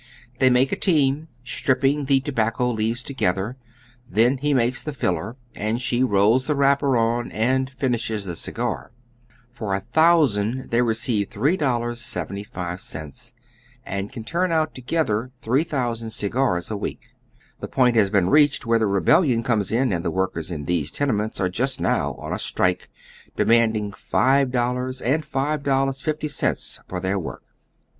They make a team, stripping the tobacco leaves together ; then he makes the filler, and she rolls the wrapper on and finishes the cigar. For a thousand they receive $3,75, and can turn out together tlii'ee thousand cigars a week. The point has been reached where the rebellion comes in, and the workers in these tenements are just now on a strike, demanding $5.00 and $5.50 for their work.